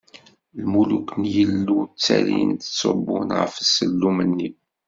Lmuluk n Yillu ttalin ttṣubbun ɣef sellum-nni.